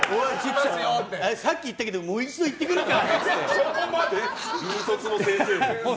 さっき行ったけどもう一度行ってくるか！